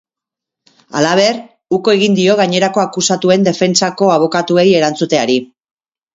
Halaber, uko egin dio gainerako akusatuen defentsako abokatuei erantzuteari.